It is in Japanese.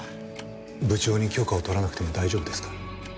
部長に許可を取らなくても大丈夫ですか？